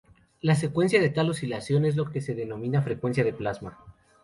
La frecuencia de tal oscilación es lo que se denomina frecuencia de plasma.